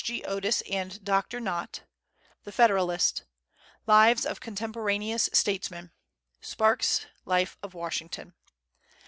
G. Otis and Dr. Nott; The Federalist; Lives of Contemporaneous Statesmen; Sparks's Life of Washington.